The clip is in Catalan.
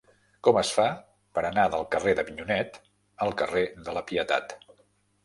Com es fa per anar del carrer d'Avinyonet al carrer de la Pietat?